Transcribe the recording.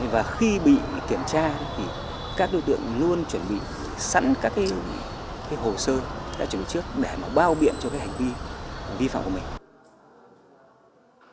và khi bị kiểm tra các đối tượng luôn chuẩn bị sẵn các hồ sơ đã chuẩn bị trước để bao biện cho hành vi vi phạm của mình